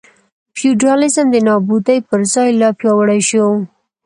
فیوډالېزم د نابودۍ پر ځای لا پیاوړی شو.